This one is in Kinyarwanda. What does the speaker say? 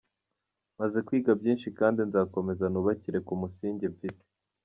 Maze kwiga byinshi kandi nzakomeza nubakire ku musingi mfite”.